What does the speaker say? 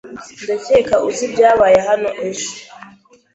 Ndakeka ko uzi ibyabaye hano ejo.